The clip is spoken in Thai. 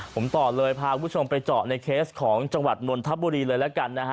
ผมต่อเลยพาคุณผู้ชมไปเจาะในเคสของจังหวัดนนทบุรีเลยแล้วกันนะฮะ